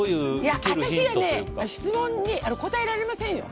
私は質問に答えられませんよ。